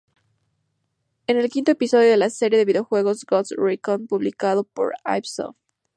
Es el quinto episodio de la serie de videojuegos Ghost Recon, publicado por Ubisoft.